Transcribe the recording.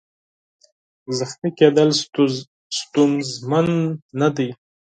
زخمي کېدل ستونزمن نه دي.